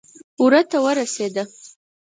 وره ته ورسېده.